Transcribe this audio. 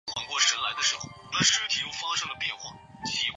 车站下方有地下道。